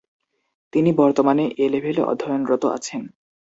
তিনি বর্তমানে এ-লেভেলে অধ্যয়নরত আছেন।